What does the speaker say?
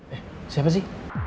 eh siapa sih